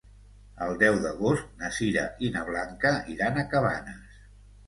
El deu d'agost na Sira i na Blanca iran a Cabanes.